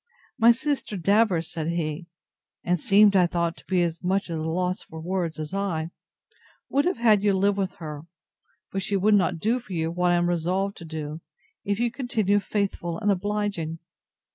My sister Davers, said he, (and seemed, I thought, to be as much at a loss for words as I,) would have had you live with her; but she would not do for you what I am resolved to do, if you continue faithful and obliging.